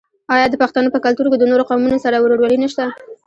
آیا د پښتنو په کلتور کې د نورو قومونو سره ورورولي نشته؟